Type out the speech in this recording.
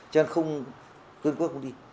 tuyên quốc cũng đi